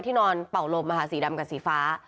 นอนเป่าลมสีดำกับสีฟ้า